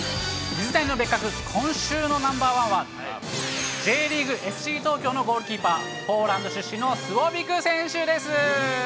水谷のベッカク、今週のナンバーワンは、Ｊリーグ・ＦＣ東京のゴールキーパー、ポーランド出身のスウォビィク選手です。